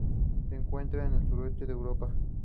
Estaba presentado por Jordi González.